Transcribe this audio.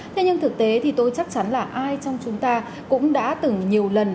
thế nhưng thực tế thì tôi chắc chắn là ai trong chúng ta cũng đã từng nhiều lần